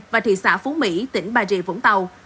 và thị xã phú mỹ tỉnh bà rịa vũng tàu